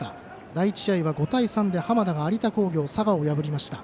第１試合は５対３で浜田が有田工業、佐賀を破りました。